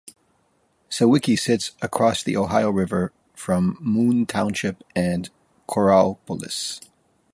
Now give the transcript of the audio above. Sewickley sits across the Ohio River from Moon Township and Coraopolis.